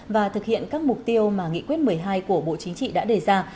và thực hiện các mục tiêu mà nghị quyết một mươi hai của bộ chính trị đã đề ra